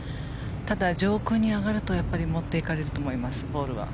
ただ、上空に上がるとやっぱりボールは持っていかれると思います。